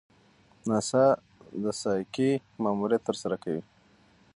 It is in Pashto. ناسا د سایکي ماموریت ترسره کوي.